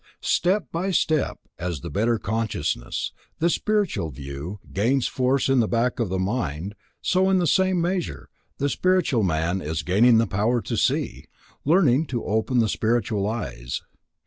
Step by step, as the better consciousness, the spiritual view, gains force in the back of the mind, so, in the same measure, the spiritual man is gaining the power to see: learning to open the spiritual eyes.